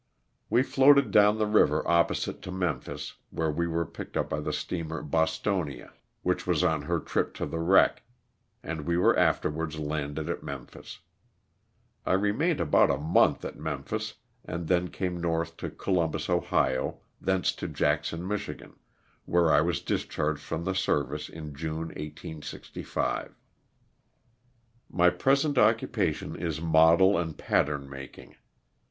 We floated down the river opposite to Memphis where we were picked up by the steamer "Bostonia," which was on her trip to the wreck, and we were afterwards landed at Memphis. I remained about a month at Memphis and then came north to Columbus, Ohio, thence to Jackson, Mich, where I was discharged from the service in June, 1865. My present occupation is model and pattern making.